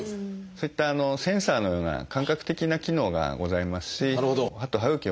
そういったセンサーのような感覚的な機能がございますし歯と歯ぐきを守るですね